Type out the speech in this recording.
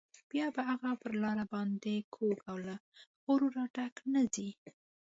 بیا به هغه پر لار باندې کوږ او له غروره ډک نه ځي.